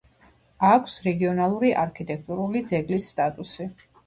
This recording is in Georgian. აქვს რეგიონალური არქიტექტურული ძეგლის სტატუსი.